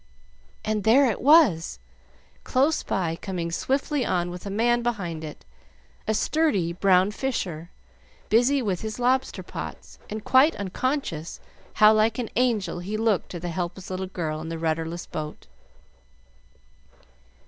And there it was! Close by, coming swiftly on with a man behind it, a sturdy brown fisher, busy with his lobster pots, and quite unconscious how like an angel he looked to the helpless little girl in the rudderless boat.